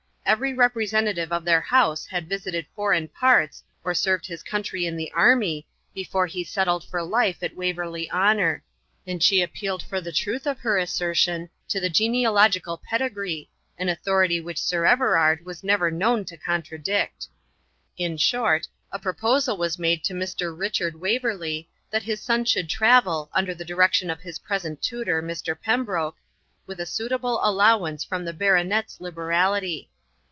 Every representative of their house had visited foreign parts, or served his country in the army, before he settled for life at Waverley Honour, and she appealed for the truth of her assertion to the genealogical pedigree, an authority which Sir Everard was never known to contradict. In short, a proposal was made to Mr. Richard Waverley, that his son should travel, under the direction of his present tutor Mr. Pembroke, with a suitable allowance from the Baronet's liberality.